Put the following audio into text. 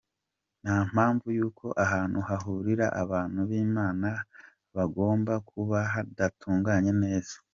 Nta mpamvu y’uko ahantu hahurira abantu b’Imana hagomba kuba hadatunganye neza.